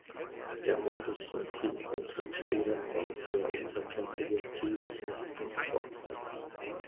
Der Modus mit Hin- und Rückspielen war für unterklassige Teams nicht von Vorteil.